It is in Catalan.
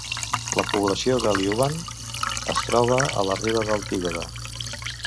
La població de Lyuban es troba a la riba del Tigoda.